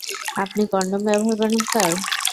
আপনি কনডম ব্যবহার করেন, স্যার?